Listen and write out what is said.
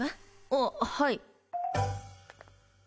あっはい。